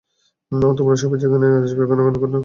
তোমরা সবাই যে এখানে আসবে ঘুনাক্ষুরেও ভাবিনি!